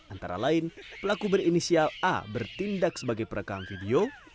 antara lain pelaku berinisial a bertindak sebagai perekam video